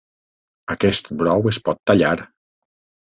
Aquest brou es pot tallar.